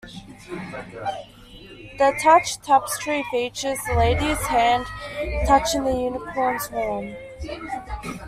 The "Touch" tapestry features the lady's hand touching the unicorn's horn.